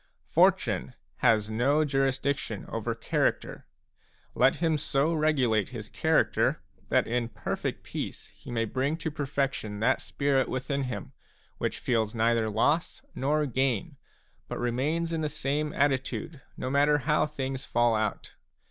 Fortune has no jurisdiction over character. Let him so regulate his character that in perfect peace he may bring to perfection that spirit within him which feels neither loss nor gain, but remains in the same attitude, no matter how things fall out.